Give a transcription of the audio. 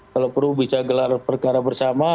kalau perlu bisa gelar perkara bersama